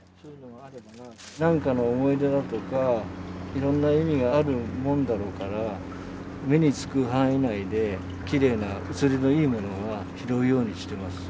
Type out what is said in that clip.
なんかの思い出だとか、いろんな意味があるもんだろうから、目につく範囲内で、きれいな写りのいいものは拾うようにしています。